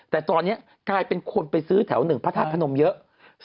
แต่ตอนนี้กลายเป็นคนไปซื้อแถวหนึ่งพระธาตุพนมเยอะ